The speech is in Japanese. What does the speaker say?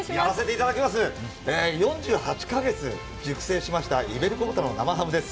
４８カ月熟成しましたイベリコ豚の生ハムです。